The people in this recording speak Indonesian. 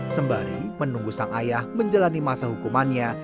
sembari menunggu sang ayah menjalani masa hukumannya